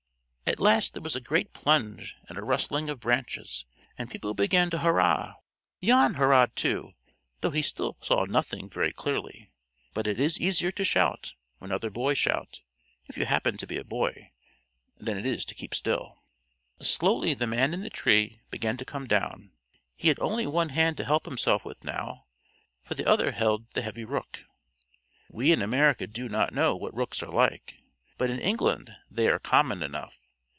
At last there was a great plunge and a rustling of branches, and people began to hurrah. Jan hurrahed too, though he still saw nothing very clearly; but it is easier to shout when other boys shout, if you happen to be a boy, than it is to keep still. Slowly the man in the tree began to come down. He had only one hand to help himself with now, for the other held the heavy rook. We in America do not know what rooks are like, but in England they are common enough.